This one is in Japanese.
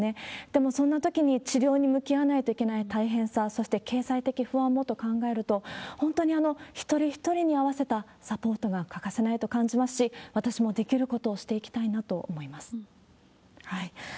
でも、そんなときに治療に向き合わないといけない大変さ、そして経済的不安もと考えると、本当に一人一人に合わせたサポートが欠かせないと感じますし、私もできることをしていきたいなと思います。